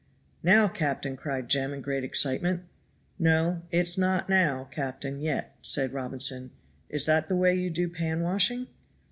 "Now, captain," cried Jem in great excitement. "No, it's not now, captain, yet," said Robinson; "is that the way you do pan washing?"